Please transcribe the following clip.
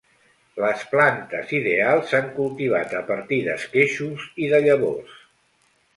Les plantes ideals s'han cultivat a partir d'esqueixos i de llavors.